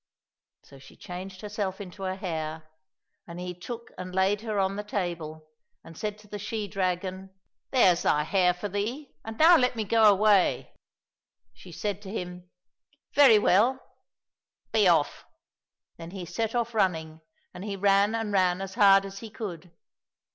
So she changed herself into a hare, and he took and laid her on the table, and said to the she dragon, 247 COSSACK FAIRY TALES " There's thy hare for thee, and now let me go away !" She said to him, " Very well — be off !" Then he set off running, and he ran and ran as hard as he could.